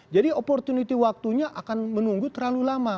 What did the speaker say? jadi opportunity waktunya akan menunggu terlalu lama